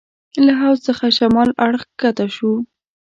له حوض څخه شمال اړخ کښته شوو.